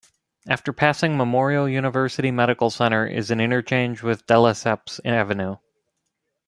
After passing Memorial University Medical Center is an interchange with Delesseps Avenue.